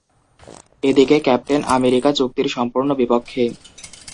এদিকে Captain America চুক্তির সম্পূর্ণ বিপক্ষে।